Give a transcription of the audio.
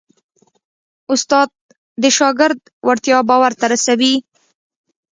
استاد د شاګرد وړتیا باور ته رسوي.